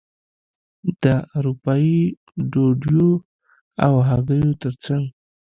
د اروپايي ډوډیو او هګیو ترڅنګ.